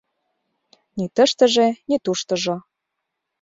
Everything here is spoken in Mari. Ни тыштыже, ни туштыжо